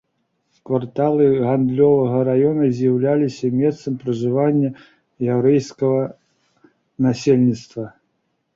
Кварталы гандлёвага раёна з'яўляліся месцам пражывання яўрэйскага насельніцтва.